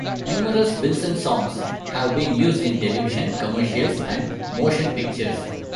Numerous Wilson songs have been used in television, commercials and motion pictures.